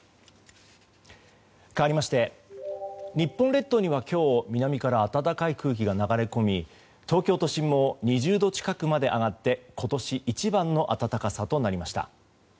かわりまして日本列島には今日南から暖かい空気が流れ込み、東京都心も２０度近くまで上がって今年一番の暖かさとなりました。